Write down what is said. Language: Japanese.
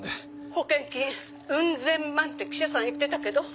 保険金ウン千万って記者さん言ってたけど？